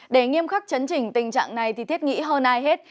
để nghiêm khắc chấn trình tình trạng này thì thiết nghĩ hơn ai hết